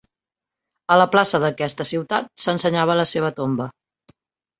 A la plaça d'aquesta ciutat s'ensenyava la seva tomba.